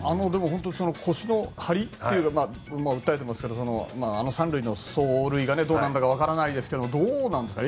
本当に腰の張りというか訴えていますけど３塁への走塁がどうなんだか分からないんですけどもどうなんですか